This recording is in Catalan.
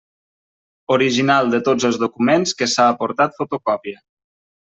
Original de tots els documents que s'ha aportat fotocopia.